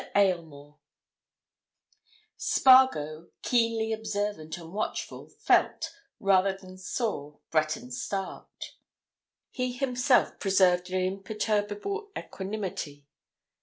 AYLMORE Spargo, keenly observant and watchful, felt, rather than saw, Breton start; he himself preserved an imperturbable equanimity.